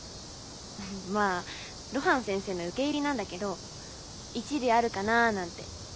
まあ露伴先生の受け売りなんだけど一理あるかなーなんて。